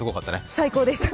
最高でした。